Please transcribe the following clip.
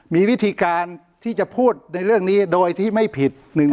มีวิธีการที่จะพูดในเรื่องนี้โดยที่ไม่ผิด